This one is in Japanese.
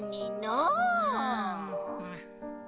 うん。